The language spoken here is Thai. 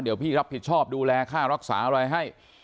เดี๋ยวพี่รับผิดชอบดูแลค่ารักษาอะไรให้